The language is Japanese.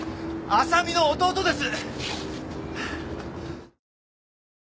浅見の弟です！